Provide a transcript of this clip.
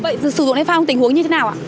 vậy sử dụng đèn pha tình huống như thế nào ạ